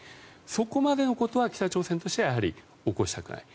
そこまでのことは北朝鮮としてはやはり起こしたくない。